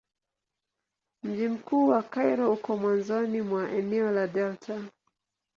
Mji mkuu wa Kairo uko mwanzoni mwa eneo la delta.